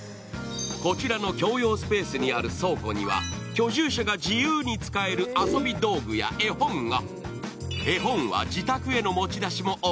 こちらの共用スペースにある倉庫には居住者が自由に使える遊び道具や絵本が。